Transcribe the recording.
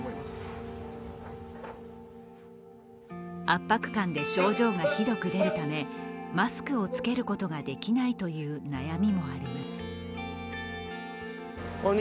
圧迫感で症状がひどく出るためマスクを着けることができないという悩みもあります。